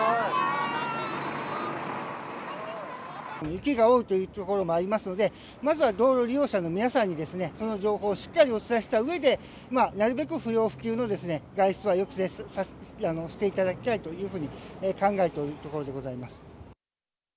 雪が多いという所もありますので、まずは道路利用者の皆さんにですね、その情報をしっかりお伝えしたうえで、なるべく不要不急の外出は抑制していただきたいというふうに考えておるところでございます。